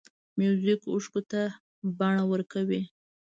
موزیک اوښکو ته بڼه ورکوي.